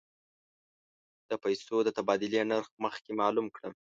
د پیسو د تبادلې نرخ مخکې معلوم کړه.